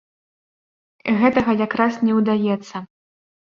Гэтага якраз не ўдаецца.